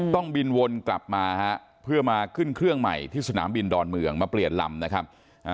ต้องบินวนกลับมาฮะเพื่อมาขึ้นเครื่องใหม่ที่สนามบินดอนเมืองมาเปลี่ยนลำนะครับ